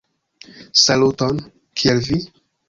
Saluton! Kiel vi?